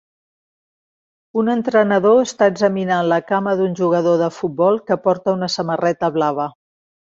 Un entrenador està examinant la cama d'un jugador de futbol que porta una samarreta blava.